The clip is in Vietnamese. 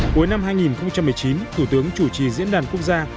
cuối năm hai nghìn một mươi chín thủ tướng chủ trì diễn đàn quốc gia